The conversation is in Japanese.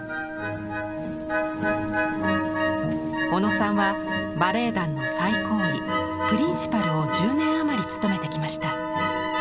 小野さんはバレエ団の最高位プリンシパルを１０年あまり務めてきました。